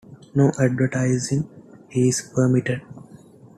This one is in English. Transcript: No advertising is permitted.